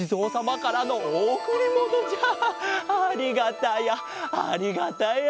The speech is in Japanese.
ありがたやありがたや。